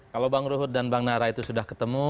kalau bang ruhut dan bang nara itu sudah ketemu